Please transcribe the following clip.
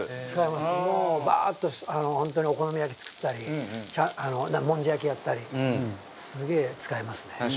もうバーッと本当にお好み焼き作ったりもんじゃ焼きやったりすげえ使いますね。